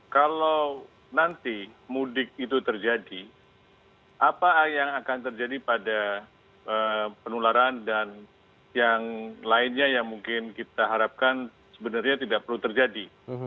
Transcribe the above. kalau nanti mudik itu terjadi apa yang akan terjadi pada penularan dan yang lainnya yang mungkin kita harapkan sebenarnya tidak perlu terjadi